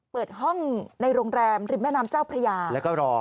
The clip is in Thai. เปิดห้องในโรงแรมริมแม่น้ำเจ้าพระยาแล้วก็รอ